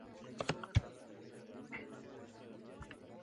Con flores amarillas.